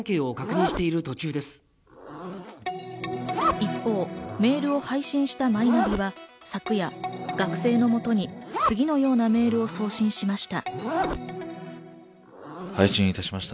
一方、メールを配信したマイナビは、昨夜、学生の元に次のようなメールを送信しました。